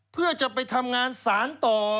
เพื่อจะไปทำงานสารต่อ